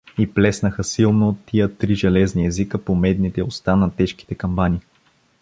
И плеснаха силно тия три железни езика по медните уста на тежките камбани.